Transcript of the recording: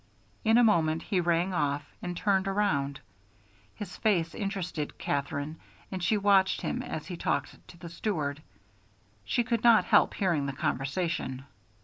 In a moment he rang off and turned around. His face interested Katherine and she watched him as he talked to the steward; she could not help hearing the conversation.